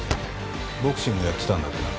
ボクシングやってたんだってな？